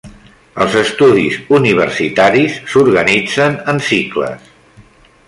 Els estudis universitaris s'organitzen en cicles.